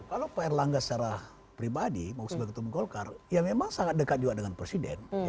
kalau pak erlangga secara pribadi mau sebagai ketua umum golkar ya memang sangat dekat juga dengan presiden